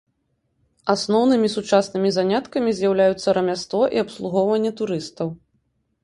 Асноўнымі сучаснымі заняткамі з'яўляюцца рамяство і абслугоўванне турыстаў.